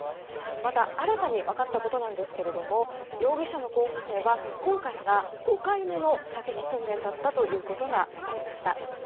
また、新たに分かったことなんですけれども容疑者の候補生は今回が５回目の射撃訓練だったことが分かりました。